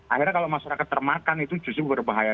akhirnya kalau masyarakat termakan itu justru berbahaya